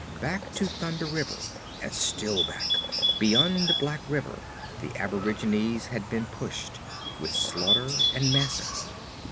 Back to Thunder River, and still back, beyond Black River the aborigines had been pushed, with slaughter and massacre.